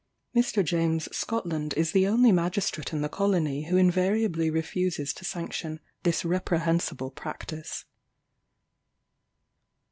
Mr. James Scotland is the only magistrate in the colony who invariably refuses to sanction this reprehensible practice.